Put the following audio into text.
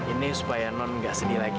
ini supaya non gak sedih lagi